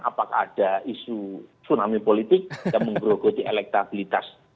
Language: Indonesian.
apakah ada isu tsunami politik yang menggerogoti elektabilitas